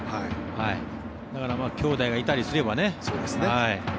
だからきょうだいがいたりすれば。